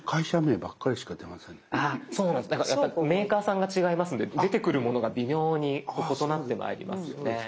だからやっぱメーカーさんが違いますので出てくるものが微妙に異なってまいりますよね。